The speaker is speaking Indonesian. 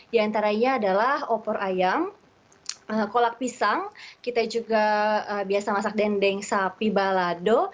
di antaranya adalah opor ayam kolak pisang kita juga biasa masak dendeng sapi balado